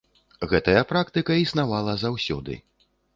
Гэтая практыка існавала заўсёды.